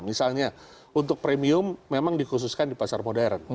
misalnya untuk premium memang dikhususkan di pasar modern